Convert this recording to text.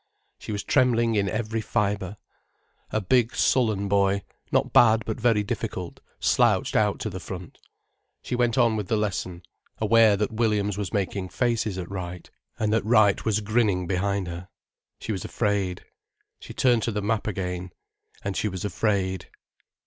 She was trembling in every fibre. A big, sullen boy, not bad but very difficult, slouched out to the front. She went on with the lesson, aware that Williams was making faces at Wright, and that Wright was grinning behind her. She was afraid. She turned to the map again. And she was afraid.